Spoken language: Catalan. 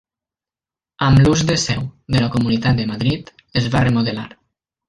Amb l'ús de seu de la Comunitat de Madrid, es va remodelar.